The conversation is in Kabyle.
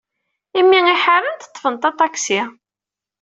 Imi ay ḥarent, ḍḍfent aṭaksi.